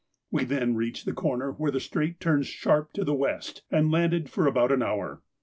We then reached the corner where the strait turns sharp to the west, and landed for about an hour.